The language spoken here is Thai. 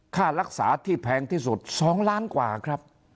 ค่ารักษาที่แพงที่สุด๒ล้านกว่าครับ